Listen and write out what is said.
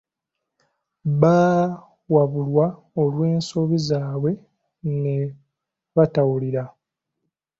Bawabulwa olw'ensobi zaabwe ne batawulira.